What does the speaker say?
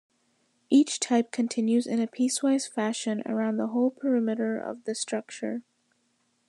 Each type continues in a piecewise fashion around the whole perimeter of the structure.